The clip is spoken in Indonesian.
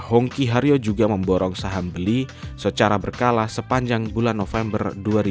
hong ki hario juga memborong saham beli secara berkala sepanjang bulan november dua ribu dua puluh dua